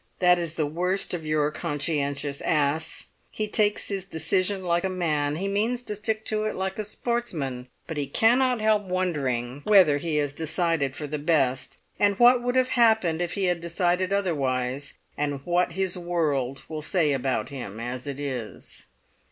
That is the worst of your conscientious ass; he takes his decision like a man; he means to stick to it like a sportsman; but he cannot help wondering whether he has decided for the best, and what would have happened if he had decided otherwise, and what his world will say about him as it is.